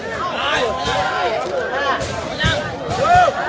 สวัสดีครับทุกคน